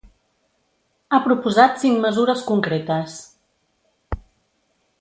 Ha proposat cinc mesures concretes.